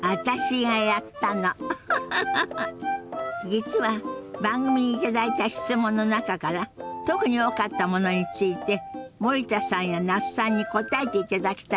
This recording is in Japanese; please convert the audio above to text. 実は番組に頂いた質問の中から特に多かったものについて森田さんや那須さんに答えていただきたいと思って。